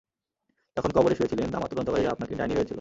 যখন কবরে শুয়েছিলেন, আমার তদন্তকারীরা আপনাকে ডাইনি ভেবেছিলো।